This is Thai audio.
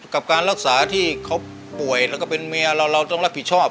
กับการรักษาที่เขาป่วยแล้วก็เป็นเมียเราเราต้องรับผิดชอบ